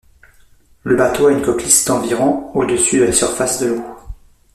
Le bateau a une coque lisse d'environ au-dessus de la surface de l'eau.